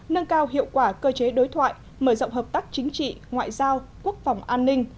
nâng cao hiệu quả cơ chế đối thoại mở rộng hợp tác chính trị ngoại giao quốc phòng an ninh